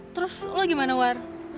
terus lo gimana war